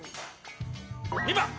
２ばん！